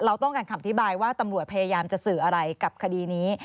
เราต้องการคำอธิบายว่าตำรวจพยายามจะสื่ออะไรกับคดีนี้